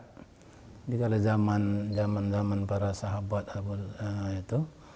jadi kalau zaman zaman para sahabat itu